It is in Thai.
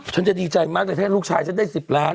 ฉันจะดีใจมากเลยถ้าลูกชายฉันได้๑๐ล้าน